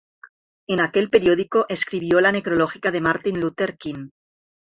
En aquel periódico escribió la necrológica de Martin Luther King.